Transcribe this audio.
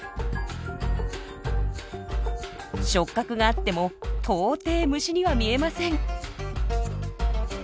触角があっても到底虫には見えません。